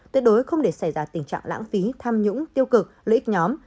tuyệt đối không để xảy ra tình trạng lãng phí tham nhũng tiêu cực lợi ích nhóm